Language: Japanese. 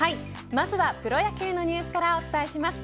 まずはプロ野球のニュースからお伝えします。